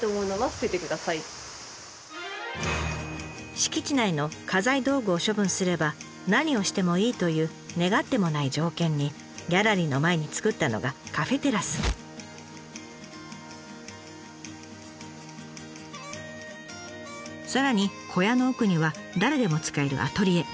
敷地内の家財道具を処分すれば何をしてもいいという願ってもない条件にギャラリーの前に作ったのがさらに小屋の奥には誰でも使えるアトリエ。